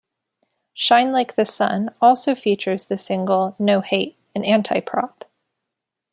"Shine Like the Sun" also features the single "No Hate," an anti-Prop.